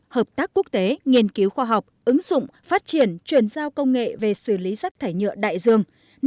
ba hợp tác quốc tế nghiên cứu khoa học ứng dụng phát triển truyền giao công nghệ về xử lý rác thải nhựa đại dương